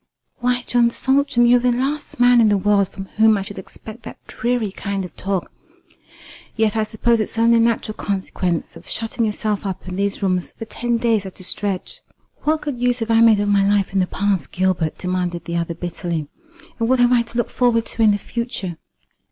"Why, John Saltram, you are the last man in the world from whom I should expect that dreary kind of talk. Yet I suppose it's only a natural consequence of shutting yourself up in these rooms for ten days at a stretch." "What good use have I made of my life in the past, Gilbert?" demanded the other bitterly; "and what have I to look forward to in the future?